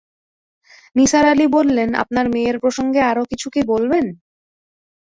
নিসার আলি বললেন, আপনার মেয়ের প্রসঙ্গে আরো কিছু কি বলবেন?